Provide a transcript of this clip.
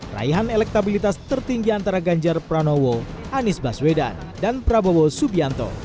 raihan elektabilitas tertinggi antara ganjar pranowo anies baswedan dan prabowo subianto